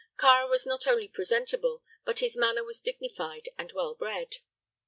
Kāra was not only presentable, but his manner was dignified and well bred.